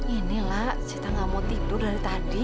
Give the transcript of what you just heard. ini lah sita gak mau tidur dari tadi